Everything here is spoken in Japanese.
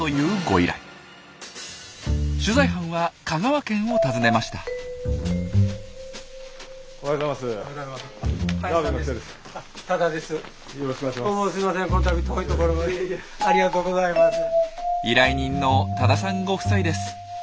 依頼人の多田さんご夫妻です。